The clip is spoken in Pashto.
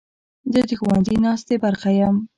زه د ښوونځي ناستې برخه یم.